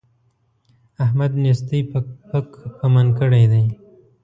احمد نېستۍ پک پمن کړی دی.